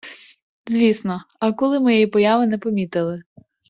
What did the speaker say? Звісно, акули моєї появи не помітили.